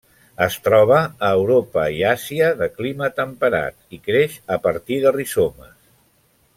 Es troba a Europa i Àsia de clima temperat, i creix a partir de rizomes.